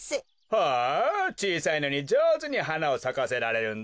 ほうちいさいのにじょうずにはなをさかせられるんだね。